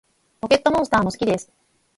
ポケットモンスターも好きです